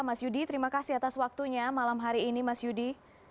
mas yudi terima kasih atas waktunya malam hari ini mas yudi